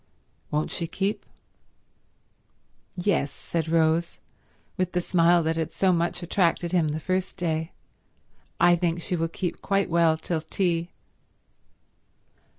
"Won't she keep?" "Yes," said Rose, with the smile that had so much attracted him the first day. "I think she will keep quite well till tea."